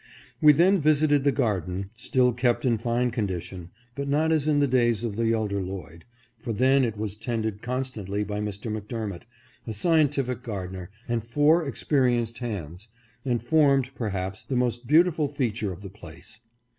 We then visited the garden, still kept in fine condition, but not as in the days of the elder Lloyd, for then it was tended constantly by Mr. McDermot, a scientific gardener, and four experienced hands, and formed, perhaps, the most beautiful feature of the place.